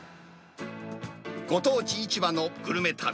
ご当地市場のグルメ旅。